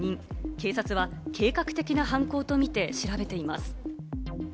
警察は計画的な犯行とみて調べています。